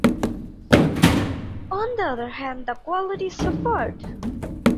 On the other hand, the quality suffered.